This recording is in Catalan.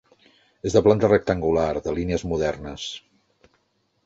És de planta rectangular, de línies modernes.